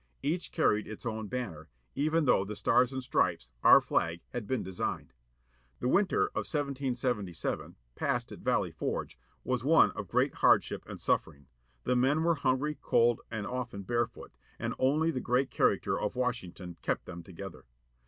Each carried its own banner, even though the Stars and Stripes, our flag, had been designed. The winter of 1777, passed at Valley Forge, was one of great hardship and siaffer ing, â the men were hungry, cold, and often barefoot, and only the great character of Washington kept them together.